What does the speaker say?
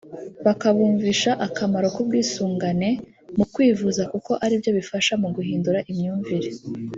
bakabumvisha akamaro k’ubwisungane mu kwivuza kuko ari byo bifasha mu guhindura imyumvire